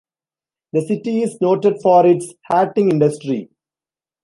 The city is noted for its hatting industry.